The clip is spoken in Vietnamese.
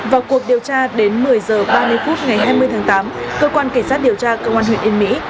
vào cuộc điều tra đến một mươi h ba mươi phút ngày hai mươi tháng tám cơ quan cảnh sát điều tra công an huyện yên mỹ